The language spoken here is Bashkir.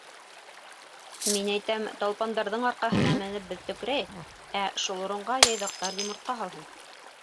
— Мин әйтәм, талпандарҙың арҡаһына менеп беҙ төкөрәйек, ә шул урынға Яйҙаҡтар йомортҡа һалһын.